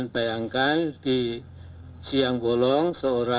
tapi kita harus tarik memori